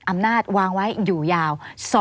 อำนาจวางไว้อยู่ยาว